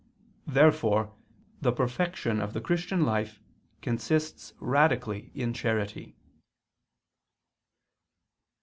Therefore the perfection of the Christian life consists radically in charity.